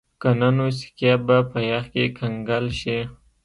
که نه نو سکي به په یخ کې کنګل شي